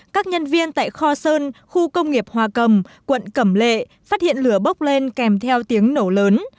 các nhân viên tại kho sơn khu công nghiệp hòa cầm quận cẩm lệ phát hiện lửa bốc lên kèm theo tiếng nổ lớn